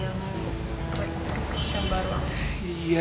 track truk terus yang baru aja